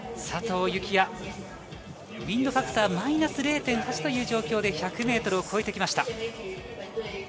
佐藤幸椰、ウインドファクターマイナス０．８という状況で１００ｍを超えてきました。